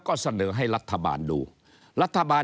ก็จะมาจับทำเป็นพรบงบประมาณ